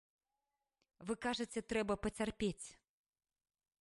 Вы кажаце, трэба пацярпець.